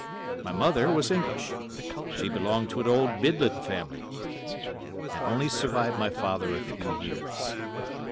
My mother was English; she belonged to an old Midland family, and only survived my father a few years.